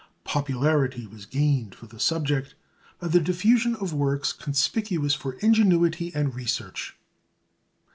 Popularity was gained for the subject by the diffusion of works conspicuous for ingenuity and research.